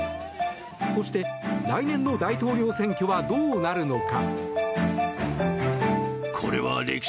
そして、来年の大統領選挙はどうなるのか。